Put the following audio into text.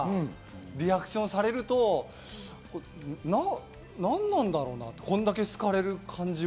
リアクションをされると、なんなんだろうなと、これだけ好かれる感じは。